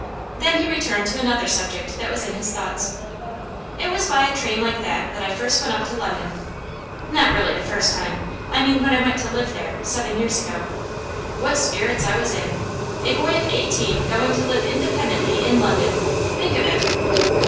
Then he returned to another subject that was in his thoughts. 'It was by a train like that that I first went up to London. Not really the first time; I mean when I went to live there, seven years ago. What spirits I was in! A boy of eighteen going to live independently in London; think of it!